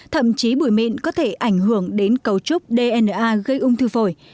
thậm chí bụi mịn có thể ảnh hưởng đến cấu trúc dna gây ung thư phổi